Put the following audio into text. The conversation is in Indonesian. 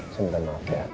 sumpah maaf ya